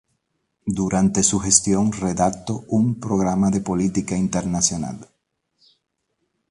Durante su gestión redactó un "Programa de política internacional".